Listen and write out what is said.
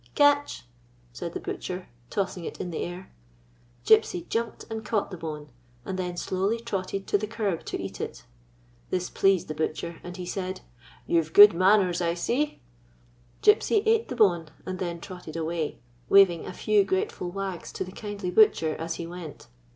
" Catch !" said the butcher, tossing it in the air. Gypsy jumped and caught the bone, and then slowly trotted to the curb to eat it. This pleased the butcher, and he said : 122 OUT INTO THE BIG WORLD " You Ve good manners, I see." Gypsy ate the bone, and then trotted away, wav ing a few grateful wags to the kindly butcher as he went.